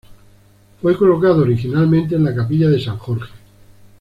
Fue colocado originalmente en la Capilla de San Jorge.